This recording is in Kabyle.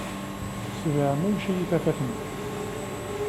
Tesdeɛmumec-iyi tafat-nni